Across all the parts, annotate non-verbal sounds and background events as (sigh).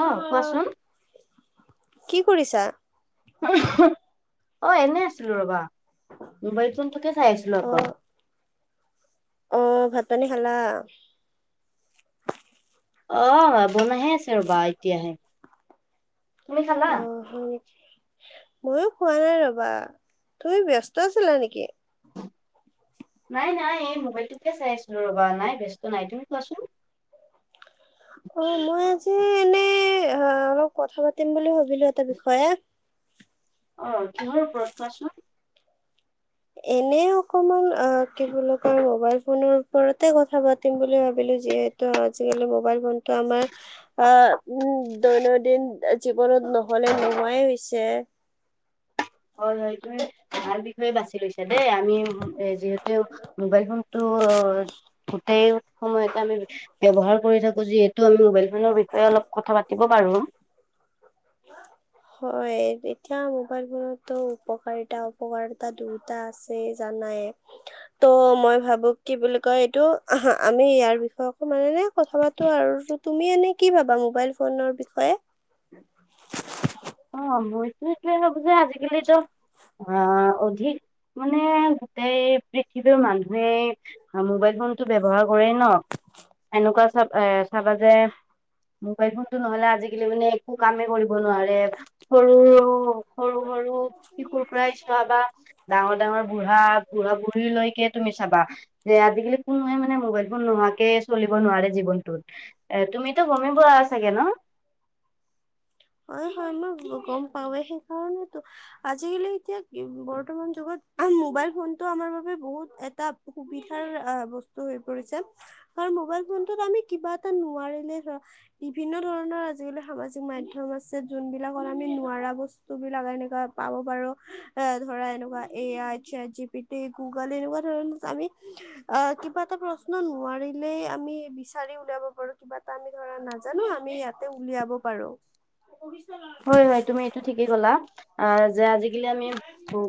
অহ কোৱাচোন। কি কৰিছা? অ এনে আছিলো ৰবা মোবাইল ফোন তোকে চাই আছিলো অক আহ ভাত পানী খালা অ বনাহে ৰবা এতিয়াহে। তুমি খালা? অ হয় নেকি ময়ো খোৱা নাই ৰবা। তুমি ব্যস্ত আছিলা নেকি? নাই নাই এই মোবাইলটোকে চাই আছিলো ৰবা নাই ব্যস্ত নাই তুমি কোৱাচোন। অ মই আজি (unintelligible) অলপ কথা পাতিম বুলি ভাব লোঁ এটা বিষয়ে। অ'। কিহৰ ওপৰত কোৱাচোন? এনে অকমান অ কি বুলি কয় মোবাইল ফোনৰ ওপৰতে কথা পাতিম বুলি ভাবিলো, যিহেতু আজিকালি মোবাইল ফোনটো আমাৰ আ উ দৈনদিন জীৱনত নহলে নোহোৱাই হৈছে। হয় হয়। তুমি ভাল বিষয়ে বাছি লৈছে দেই আমি যিহেতু মোবাইল ফোনটো গোটেই সময়তে আমি ব্যৱহাৰ কৰি থাকো, যিহেতু আমি মোবাইল ফোনৰ বিষয়ে অলপ কথা পাতিব পাৰো। হয়। এতিয়া মোবাইল ফো'ন টো উপকাৰিতা অপকাৰিতা দুয়োটা আছে জানাই। ত' মই ভাবো কি বুলি কয় এইটো আহা - আমি ইয়াৰ বিষয়ে অকমান এনে কথা পাতো আৰু তুমি এনে কি ভাবা মোবাইল ফোনৰ বিষয়ে? (inaudible) অ' মইতো এইটয়ে ভাবো যে আজি কালিতো অ - অধিক মানে গোটেই পৃথিৱীৰ মানুহে অ - মোবাইল ফোনটো ব্যৱহাৰ কৰেই ন। এনেকুৱা চাপ এ চাবা যে মোবাইল ফোনতটো নহলে আজি কালি মানে একো কামে কৰিব নোৱাৰে। সৰু সৰু, সৰু সৰু শিশুৰ পৰাই চাবা, ডাঙৰ ডাঙৰ বুঢ়া - বুঢ়া বুঢ়ীলৈকে তুমি চাবা, যে আজিকালি কোনোৱে মানে মোবাইল ফোন নোহোৱাকে চলিব নোৱাৰে জীৱন (unintelligible) এ তুমিতো গমে পোৱা আছ হয় হয় ন! গম পাৱেই সেই কাৰণেতো আজিকালি এতিয়া বৰ্তমান যুগত আ‌ন - মোবাইল ফোনটো আমাৰ বাবে বহুত এটা‌ সুবিধাৰ আ - বস্তু হৈ পৰিছে, কাৰণ মোবাইল ফোনটোত আমি কিবা এটা নোৱাৰিলে ধৰা (unintelligible) বিভিন্ন ধৰণৰ আজিকালি সামাজিক মাধ্যম আছে, যোন বিলাকত আমি নোৱাৰা বস্তু বিলাক এনেকুৱা পাব পাৰো এ ধৰা এনেকুৱা A I, chat G P T, Google এনেকুৱা ধৰণৰ আমি আহ কিবা এটা প্ৰশ্ন নোৱাৰিলেই আমি বিচাৰি উলিয়াব পাৰো কিবা এটা আমি ধৰা না জানো আমি ইয়াতে উলিয়াব পাৰো। হয় হয়, তুমি এইটো ঠিকেই কলা আ যে আজি (unintelligible) আমি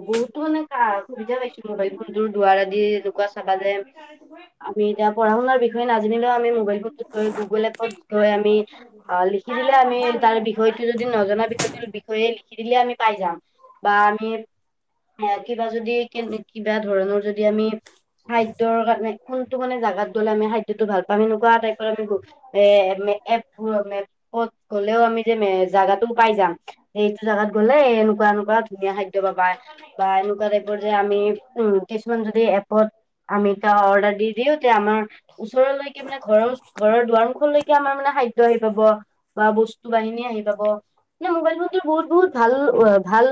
বহুতো মানে (unintelligible) সুবিধা পাইছো মোবাইল ফোন দ্বাৰা আদি চাবা যে আমি এতিয়া পঢ়া শুনাৰ বিষয়ে নাযানিলেও আমি মোবাইল ফোনটোত গৈ গুগল এপত গৈ আমি অ লিখি দিলে আমি তাৰ বিষয়টো য আমাৰ বিষয়টো বিষয়ে লিখি দিলে আমি পাই যাম বা আমি কিবা যদি কিবা ধৰণৰ যদি আমি খাদ্যৰ কাৰনে কোনটো মানে জাগাত গ'লে আমি খাদ্যটো ভাল পাম সেনেকুৱা টাইপৰ আমি (unintelligible) হ'লেও আমি যে মে পাই যাম যে এইটো জাগাত গ'লে এনেকুৱা এনেকুৱা ধুনীয়া খাদ্য পাবা বা এনেকুৱা টাইপৰ যে আমি উ - কিছুমান যদি এপত আমি এ অৰ্ডাৰ দি দিও তে আমাৰ ওচৰলৈকে মানে ঘৰৰ - ঘৰৰ দুৱাৰমুখলৈকে আমাৰ মানে খাদ্য আহি পাব বা বস্তু বাহিনী আহি পাব বা। এনে মোবাইল ফোনটোত বহুত বহুত ভাল - ও - ভাল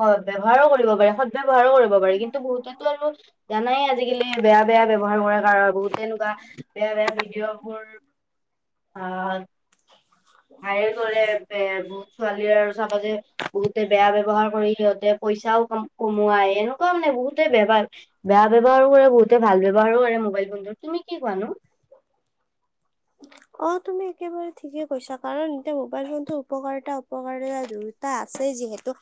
হয় ব্যৱহাৰো কৰিব পাৰি, সদ-ব্যৱহাৰো কৰিব পাৰি কিন্তু বহুতে আৰু জানাই আজিকালি বেয়া বেয়া ব্যৱহাৰ কৰা কাৰ বোৰ বহুতে এনেকুৱা বেয়া বেয়া ভিডিঅ'বোৰ অ'। বে- বহুত ছোৱালীৰ আৰু চাবা যে বহুতে বেয়া ব্যৱহাৰ কৰি সিহঁতে পইচাও কম কমোৱাই এনেকুৱা মানে বহুতে ব্যৱহাৰ বেয়া ব্যৱহাৰো কৰে বহুতে ভাল ব্যৱহাৰো কৰে মোবাইল ফোনটোৰ তুমি কি কোৱানো অ' তুমি একেবাৰে ঠিকেই কৈছা কাৰণ এতিয়া মোবাইল ফোনটো উপকাৰিতা অপকাৰিতা দুয়োটা আছে যিহেতু,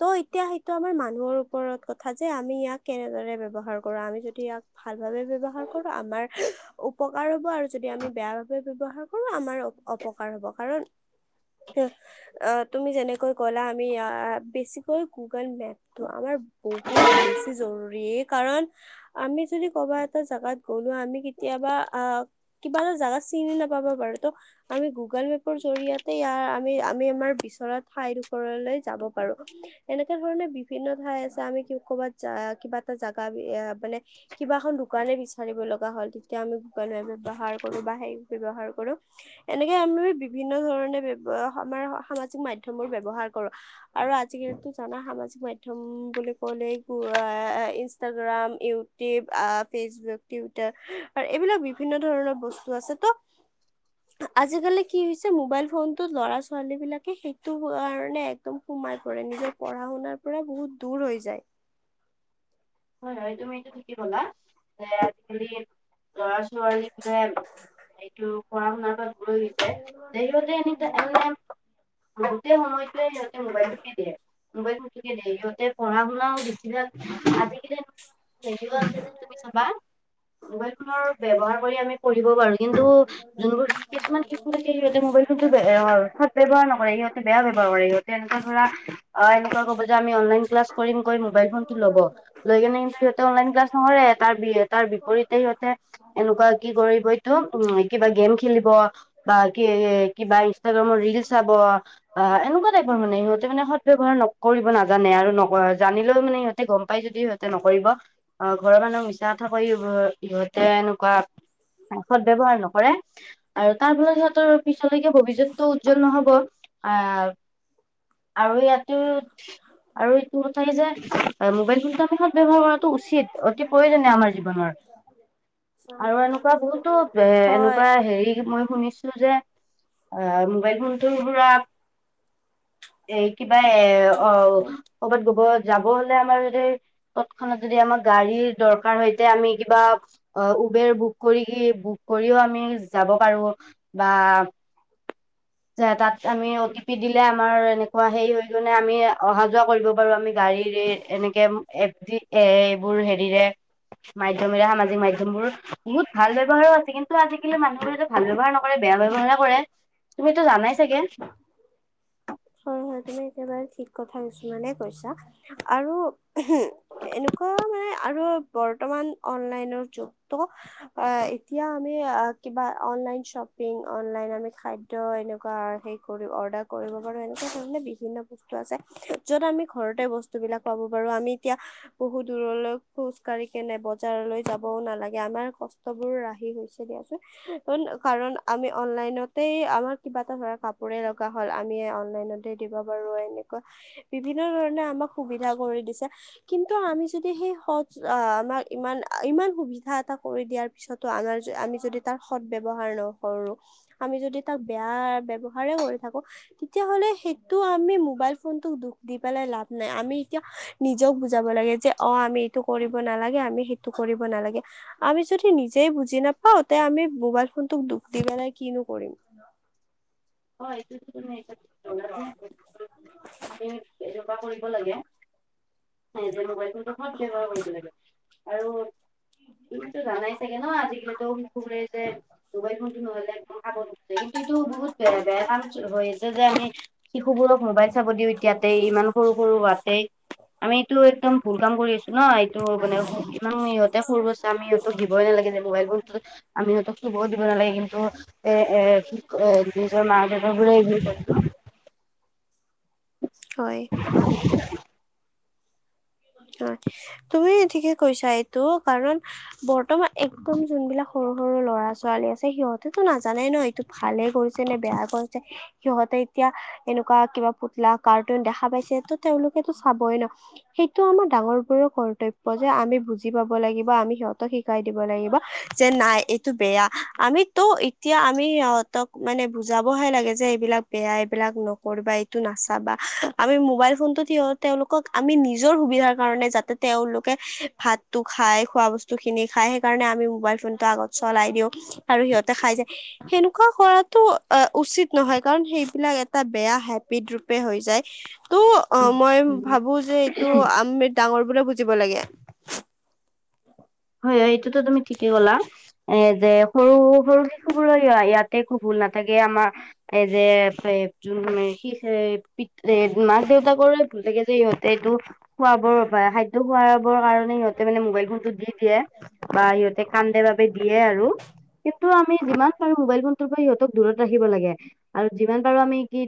ত' এতিয়া সেইটো আমাৰ মানুহৰ ওপৰত কথা যে আমি ইয়াক কেনেদৰে ব্যৱহাৰ কৰো আমি যদি ইয়াক ভাল ভাবে ব্যৱহাৰ কৰো আমাৰ উপকাৰ হব আৰু যদি আমি বেয়া ভাবে ব্যৱহাৰ কৰো আমাৰ অপকাৰ হ'ব কাৰণ অ তুমি যেনেকৈ কলা আমি বেছিকৈ গুগল মেপ তো আমাৰ বহুত বেছি জৰুৰী। কাৰণ আমি যদি ক'বা এটা জাগাত গলো আমি কেতিয়াবা আহ কিবা এটা জাগাত চিনি নাপাব পাৰো ত, আমি গুগল মেপৰ জৰিয়তে ইয়াৰ আমি আমি আমাৰ বিচৰা ঠাইডোখৰলৈ যাব পাৰো এনেককাে ধৰণে বিভিন্ন ঠাই আছে আমি ক'বাত কিবা এটা জাগা মানে কিবা এখন দোকানে বিচাৰিব লগা হল তেতিয়া আমি গুগল মেপ ব্যৱহাৰ কৰো বা সেই ব্যৱহাৰ কৰোঁ। এনেকে আমি বিভিন্ন ধৰণে ব আমাৰ সামাজিক মাধ্যম বোৰ ব্যয়ৱহাৰ কৰো আৰু আজিকালো জানা সামাজিক মাধ্যম বুলি কলে ইনষ্টাগ্ৰাম ইউটিউব আহ ফেচবুক টুইটাৰ এইবিলাক বিভিন্ন ধৰণৰ বস্তু আছে ত আজিকালি কি হৈছে মোবাইল ফোনটোত ল'ৰা ছোৱালী বিলাকে সেইটো কাৰণে একদম সমাই পৰে নিজৰ পঢ়া শুনাৰ পৰা বহুত দূৰ হৈ যায়। হয় হয় তুমি এইটো ঠিকে ক'লা যে আজিকালি ল'ৰা ছোৱালী বোলে এইটো পঢ়া শুনা লৈ গৈছে হেৰি হতে এৰি দিছে (unintelligible) সেই সময়তোয়ে সিহঁতে মবাইলটোকে দিয়ে। মবাইটো থাকে সিহঁতে পঢ়া শুনাও বেছিভাগ আজি (unintelligible) হেৰিও আছে যে তুমি চাবা ম'বাইলফোনৰ ব্যৱহাৰ কৰি আমি পঢ়িব পাৰোঁ। কিন্তু যোনবোৰ কিছুমান শিশুৰে সিহঁতে মোবাইল ফোনটো সদ ব্যৱহাৰ নকৰে সহঁতে বেয়া ব্যৱহাৰ কৰে সিহঁতে এনেকুৱা ধৰা অ এনেকোৱা ক'ব যে আমি অনলাইন ক্লাছ কৰিম মোবাইল ফোনটো ল'ব মেইনকে অনলাইন ক্লাছ ন অ ৰে এটা বি এট তাৰ বিপৰীতে সিহঁতে এনেকুৱা কি কৰিব এইটো উ কিবা গেম খেলিব বা কি কিবা ইনষ্টাগ্ৰামৰ ৰিল চাব অ এনেকুৱা টাইপৰ মানে সিহঁতে মানে সদব্যৱহাৰ ন কৰিব নাজানে আৰু ন জানিলেও মানে সিহঁতে গম পাই যদিহে নকৰিব আহ ঘৰৰ মানুহক মিছা কথাকৈ ইহঁতে এনেকুৱা সৎ ব্যৱহাৰ নকৰে আৰু তাৰ ফলত সিহঁতৰ পিছৰলৈকে ভবিষ্যত উজ্জ্বল ন'হব আহ আৰু ইয়াত আৰু এইটো কথাই যে মোবাইলফোনটো আমি হ ফোন কৰাটো উচিত অতি প্ৰয়োজনীয় আমাৰ জীৱনৰ আৰু এনেকুৱা বহুতো এ হয়, এনেকুৱা হেৰি মই শুনিছো যে অ মোবাইল ফোনটো ধৰা এই কিবা এ অ ক'বাত ক'ব যাব হলে আমাৰ যদি ত'ত ক্ষণাত যদি আমাৰ গাড়ীৰ দৰকাৰ হয় আমি কিবা অ উবেৰ বুক কৰি কি বুক কৰিও আমি যাব পাৰো বা তাত আমি অ টিপি দিলে আমাৰ এনেকুৱা হেই হৈ গনে আমি অহা যোৱা কৰিব পাৰো আমি গাড়ী এনেকে এফ জি এ এইবোৰ হেৰিৰে মাধ্যমেৰে সামাজিক মাধ্যম বোৰ বহুত ভাল ব্য়ৱহাৰো আছে কিন্তু আজিকালি মানুহবো এইটো ভাল ব্যৱহাৰ নকৰে বেয়া ব্যৱহাৰ কৰে তুমিতো জানাই চাগে। হয় হয় তুমি একেবাৰে থিক কথাই কৈছা আৰু এনেকুৱা মানে আৰু বৰ্তমান অনলাইনৰ যুগতো এতিয়া আমি কিবা অনলাইন অনলাইন খাদ্য এনেকুৱ অৰ্ডাৰ কৰিব। এনেকুৱা ধৰনৰ বিভিন্ন বস্তু আছে য'ত আমি ঘৰতে বস্তু বিলাক পাব পাৰো আমি এতিয়া বহুত দূৰলৈ খোজ কাঢ়ি কেনে বজাৰলৈ যাবও নালাগে আমাৰ কষ্ট বোৰ ৰাহি হৈছে দিয়াচোন কাৰণ আমি অনলাইনতেই আমাৰ কিবা এটা ধৰা কাপোৰে লগা হল নিয়ে অনলাইনতে দিব পাৰো এনেকুৱা বিভিন্ন ধৰণে আমাক সুবিধা কৰি দিছে, কিন্তু আমি যদি সেই সৎ আমাক ইমান ইমান সুবিধা এটা কৰি দিয়াৰ পিছতো আমাৰ আমি যদি তাৰ সৎ ব্যৱহাৰ নকৰো আমি যদি তাক বেয়া ব্য়ৱহাৰে কৰি থাকো তেতিয়া হলে সেইটো আমি মোবাইল ফোনটোক দখ দি পেলাই লাভ নাই আমি এতিয়া নিজক বুজাব লাগে যে অ আমি এইটো কৰিব নালাগে আমি সেইটো কৰিব নালাগে আমি যদি নিজেই বুজি নাপাও তে আমি মোবাইল ফোনটোক দখ দি পেলাই কিনো কৰিম। হয় তেতি। (inaudible) (unintelligible) এনেকুৱা কৰিব লাগে আৰু তুমিতো জানাই চাগে ন আজিকালিতো খুবৰে যে মোবাইল ফোনটো নহলে একম খাব। হেকিনতিতো বহুত। বেয়া কাম হৈ আছে যে আমি শিশু বোৰক মোবাইল চাব দিওঁ এতিয়াতে ইমান সৰু সৰু হোৱাতেই আমি এইটো একদম ভুল কাম কৰি আছো ন এইটো মানে ইমান সিহঁতে সৰু ব্ত আমি ইিহঁতক দিবই নালাগে যে মোবাইল বোৰ আমি সিহঁতক চুব দিব নালাগে কিন্তু। এ এ। নিজৰ মা দেতাবোৰে দায়িত্ব। হয়। হয় তুমি ঠিকে কৈছা এইটো কাৰণ বৰ্তমান। একদম যোনবিলাক সৰু। সৰু ল'ৰা ছোৱালী আছে সিহঁতেতো নাজানে ন এইটো ভালে কৰিছে নে বেয়া কৰিছে সিহঁতে এতিয়া এনেকুৱা কিবা পুতলা কাৰ্টুন দেখা পাইছে তো তেওঁলোকেতো চাবই ন। সেইটো আমাৰ ডাঙৰ বোৰৰ কৰ্তব্য যে আমি বুজি পাব লাগিব আমি সিহঁতক শিকাই দিব লাগিব যে নাই এইটো বেয়া আমিতো এতিয়া আমি সিহঁতক মানে বুজাবহে লাগে যে এইবিলাক বেয়া এইবিলাক নকৰৰিবা এইটো নাচাবা আমি মোবাইল ফোনতত সিহ তেওঁলোকক আমি নি। নিজৰ সুবিধাৰ কাৰণে যাতে তেওঁলোকে ভাতটো খাই খোৱা বস্তু খিনি খ সেই কাৰণে আমি মবাইল ফোন চলাই দিও। আৰু সিহঁতে খাই যায় সেনেকুৱা কৰাত। টো উচিত নহয় কাৰণ সেইবিলাক এটা বেয়া হেপিড ৰূপে হৈ যায়। টো অ মই ভাবো যে। তো আমেড ডাঙৰ। বোৰে বুজিব লাগে। হয় হয় এইটোতো তুমি ঠিকেই কলা এ যে সৰু সৰু শিশুবোৰ ইয়াতে একো ভুল নাথাকে আমাৰ এই যে এ যোন পি মাক দেউতাকৰৰে ভুল থাকে যে ইিহঁতে এইটো খোৱা বৰ। খাদ্য খোৱাব কাৰণে সিহঁ মে মোবাইল ফোনতটো দি। দিয়ে বা সিহঁতে কান্দে বাবে দিয়ে আৰু কিন্তূ। আমি যিমান পাৰো মোবাইল ফোনৰ পৰা সিহতক দূৰত ৰাখিব লে আৰু যি পাৰো আমি কি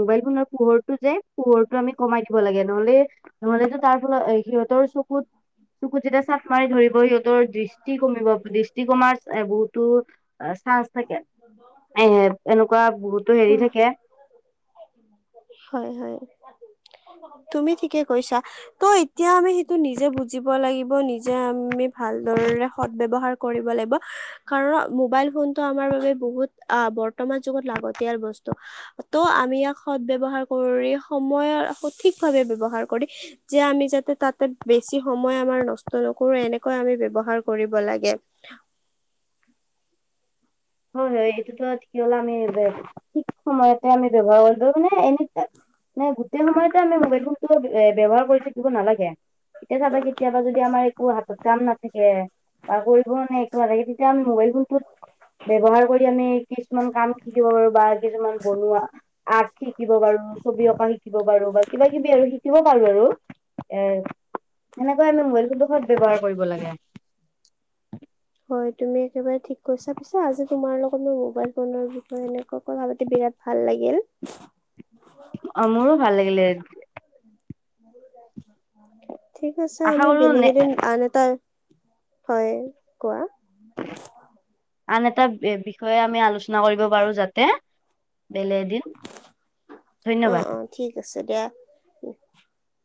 মবাইল ফ পোহৰটো যে পোহৰটো আমি কমাই লাগে নহলে নহলে তাৰ ফলত সিহঁতৰ চকুত চকুত যেতিয়া চাত মাৰি। কৈ সিহঁতৰ দৃষ্টি কমিব দৃষ্টি কমাৰ বহুতো চানস থাকে এ এনেকুৱা বহুতো হেৰি হয় থাকে। হয় হয়। তুমি ঠিকে কৈছা ত এতিয়া আমি সেইটো নিজে বুজিব লাগিব নিজে আমি। মি। ভালদৰে সদ ব্যৱহাৰ। কৰিব লাগিব কাৰণ মোবাইল ফোনটো আমাৰ বাবে বহুত আহ বৰ্তমান যুগত লাগতিয়াল বস্তু ত' আমি ইয়াক সদ ব্যৱহাৰ কৰি সময় সঠিক ভাৱে ব্যৱহাৰ কৰি যে আমি যাতে তাতে বেছি সময় আমাৰ নষ্ট নকৰো এনে। কৰ আমি ব্যৱহাৰ কৰিব লাগে। হয় হয় এইটোতো হলে আমি ঠিক সময়তে আমি ব্যৱহাৰ কৰিব মানে এে গোটেই সময়তে আমি মবাইল ফোনটোো ব্যৱহাৰ কৰি থাকিব নালাগে এতিয়া চাবা কেতিয়াবা যদি আমাৰ একো হাতত কাম নাথাকে বা কৰিব নে একো নাথে তেতিয়া আমি মোবাইল ফোনটোত। ব্যৱহাৰ কৰি আমি কিছুমান কাম শিকিব পাৰো বা কিছুমান বনোৱা। আকি। শিকিব পাৰো ছবি অঁকা শিকিব পাৰো বা কিবা কিবি আৰু হি। শিকিব পাৰো আৰু এ সেনেকৈ আমি মোবাইল ফোনটো ব্যৱহাৰ কৰিব লাগে হয় তুমি একেবাৰে ঠিক কৈছা পিছে আজি তোমাৰ লগত মোৰ মবাইল ফোনৰ বিষয়ে এনেকুৱা কথা পাতি বিৰাট ভাল লাগিল অ মোৰো ভাল লাগিলে। (inaudible) ঠিক আছে আশা আমি কৰো বেলেগ এদিন আন এটা হয় কোৱা। আন এটা বিষয়ে আমি আলোচনা কৰিব পাৰো যাতে। বেলে দিন অ', ধন্যবাদ। অ', ঠিক (unintelligible)